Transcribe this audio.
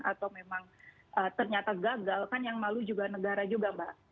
atau memang ternyata gagal kan yang malu juga negara juga mbak